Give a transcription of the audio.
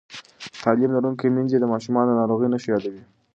تعلیم لرونکې میندې د ماشومانو د ناروغۍ نښې یادوي.